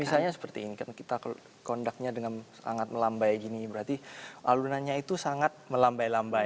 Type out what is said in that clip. misalnya seperti ini kan kita kondaknya dengan sangat melambai gini berarti alunannya itu sangat melambai lambai